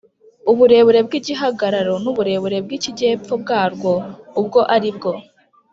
uburebure bw'igihagararo, n'uburebure bw'ikijy'epfo bwarwo ubwo ari bwo,